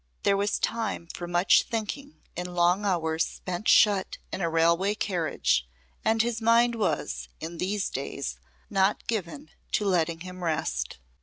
There was time for much thinking in long hours spent shut in a railroad carriage and his mind was, in these days, not given to letting him rest.